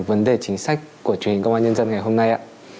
vấn đề chính sách của truyền hình công an nhân dân ngày hôm nay ạ